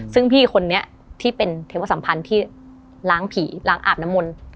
ซึ่งพี่คนนี้ที่เป็นเทวสัมพันธ์ที่ล้างผีล้างอาบน้ำมนต์